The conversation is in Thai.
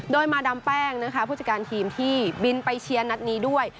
โดยมาดามแป้งนะคะผู้จัดการทีมที่บินไปเชียร์นัดนี้ด้วย